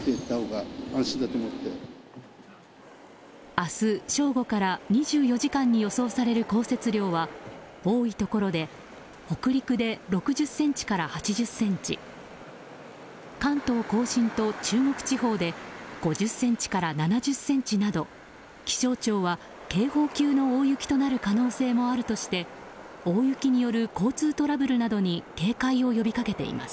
明日、正午から２４時間に予想される降雪量は多いところで北陸で６０ｃｍから８０ｃｍ関東・甲信と中国地方で５０ｃｍから７０ｃｍなど気象庁は、警報級の大雪となる可能性もあるとして大雪による交通トラブルなどに警戒を呼びかけています。